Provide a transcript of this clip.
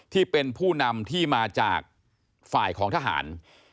ที่เป็นผู้นำที่มาจากฝ่ายของทหาร